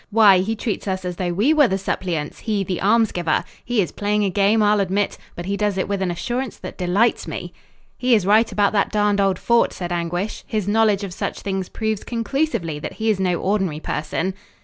Why, he treats us as though we were the suppliants, he the alms giver. He is playing a game, I'll admit, but he does it with an assurance that delights me." "He is right about that darned old fort," said Anguish. "His knowledge of such things proves conclusively that he is no ordinary person."